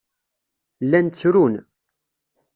Llan ttrun.